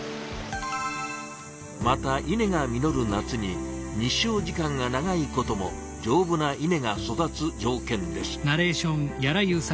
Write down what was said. また稲が実る夏に日照時間が長いこともじょうぶな稲が育つ条件です。